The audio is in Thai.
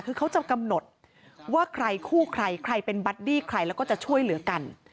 คือเขาจะกำหนดว่าใครคู่ใครใครเป็นบัดดี้ใครแล้วก็จะช่วยเหลือกัน